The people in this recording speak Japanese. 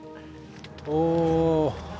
お。